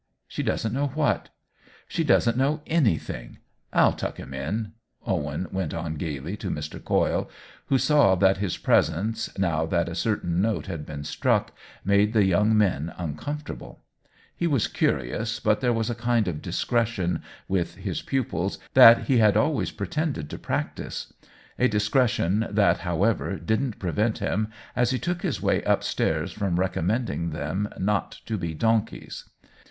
" She doesn't know what ?"" She doesn't know anything !— I'll tuck him in !" Owen went on gayly, to Mr. Coyle, who. saw that his presence, now that OWEN WINGRAVE 21 1 a certain note had been struck, made the young men uncomfortable. He was cu rious, but there was a kind of discretion, with his pupils, that he had always pretend ed to practise ; a discretion that, however, didn't prevent him as he took his way up stairs from recommending them not to be donkeys.